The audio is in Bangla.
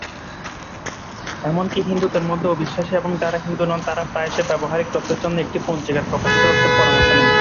এমনকি হিন্দুদের মধ্যে ‘অবিশ্বাসী’ এবং যারা হিন্দু নন তারা প্রায়শই ব্যবহারিক তথ্যের জন্য একটি পঞ্জিকার প্রকাশিত তথ্যের পরামর্শ নেন।